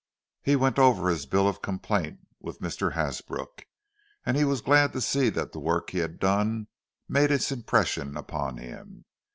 He went over his bill of complaint with Mr. Hasbrook, and he was glad to see that the work he had done made its impression upon him.